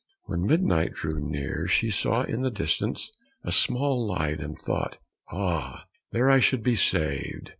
When midnight drew near she saw in the distance a small light, and thought, "Ah, there I should be saved!"